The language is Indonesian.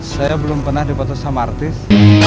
saya belum pernah diputus sama artis